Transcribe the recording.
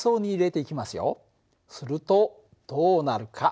するとどうなるか。